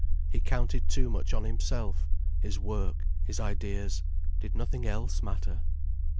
He counted too much on himself. His work, his ideas,—did nothing else matter?